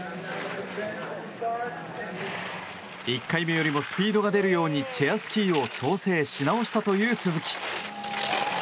１回目よりもスピードが出るようにチェアスキーを調整し直したという鈴木。